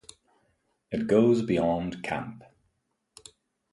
It goes beyond camp.